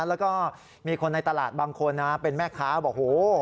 แล้วก็มีคนในตลาดบางคนนะเป็นแม่ค้าบอกโห